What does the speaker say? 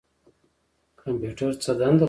کمپیوټر څه دنده لري؟